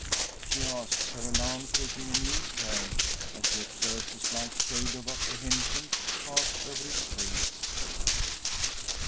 she asks, her alarm taking a new turn, as she observes a slight shade of apprehension pass over his face.